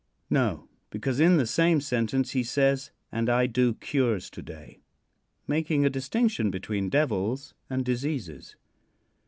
No. Because in the same sentence he says, "And I do cures to day," making a distinction between devils and diseases.